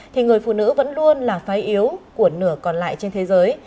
thì người phụ nữ vẫn luôn là phái yếu của nửa còn lại trên thế giới